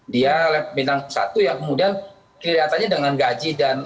dia minang satu ya kemudian kelihatannya dengan gaji dan